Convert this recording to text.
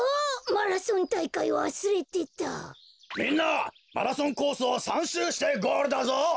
マラソンコースを３しゅうしてゴールだぞ！